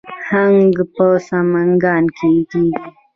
هنګ په سمنګان کې کیږي